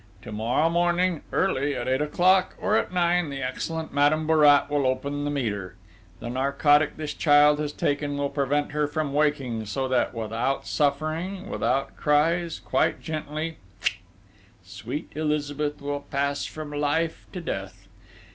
"To morrow morning, early, at eight o'clock, or at nine, the excellent Madame Bourrat will open the meter. The narcotic this child has taken will prevent her from waking, so that, without suffering, without cries, quite gently pfuit!... sweet Elizabeth will pass from life to death!...